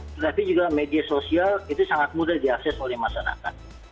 tetapi juga media sosial itu sangat mudah diakses oleh masyarakat